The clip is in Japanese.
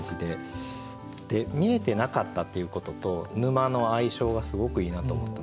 「みえてなかった」っていうことと「沼」の相性がすごくいいなと思ったんで。